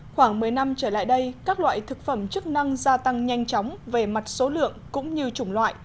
khoảng một mươi năm trở lại đây các loại thực phẩm chức năng gia tăng nhanh chóng về mặt số lượng cũng như chủng loại